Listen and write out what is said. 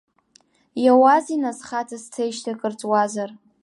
Иауазеи нас хаҵа сцеижьҭеи акыр ҵуазар?